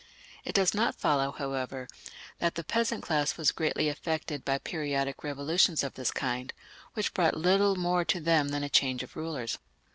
It does not follow, however, that the peasant class was greatly affected by periodic revolutions of this kind, which brought little more to them than a change of rulers.